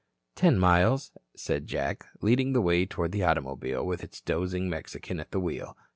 "Ten miles," said Jack, leading the way toward the automobile with its dozing Mexican at the wheel.